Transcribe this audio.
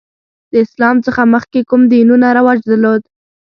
د اسلام څخه مخکې کوم دینونه رواج درلود؟